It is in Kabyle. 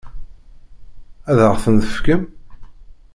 Ad ɣ-ten-tefkem?